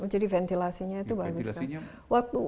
jadi ventilasinya itu bagus kan